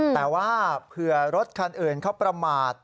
แต่ว่าเผื่อรถคันอื่นเขาประมาท